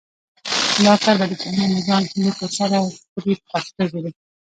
دا کار به د پوهنې نظام هیلې ترسره کړي په پښتو ژبه.